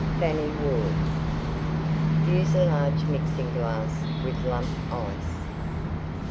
FANNIE WARD Use a large Mixing glass with Lump Ice.